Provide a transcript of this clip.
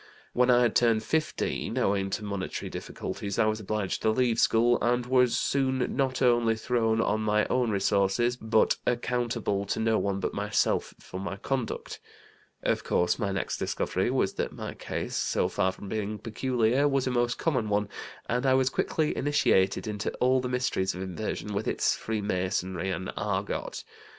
When I had turned 15, owing to monetary difficulties I was obliged to leave school, and was soon not only thrown on my own resources, but accountable to no one but myself for my conduct. Of course, my next discovery was that my case, so far from being peculiar, was a most common one, and I was quickly initiated into all the mysteries of inversion, with its freemasonry and 'argot.'